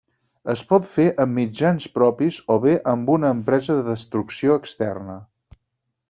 Es pot fer amb mitjans propis o bé amb una empresa de destrucció externa.